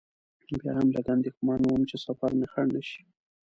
بیا هم لږ اندېښمن وم چې سفر مې خنډ نه شي.